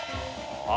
あ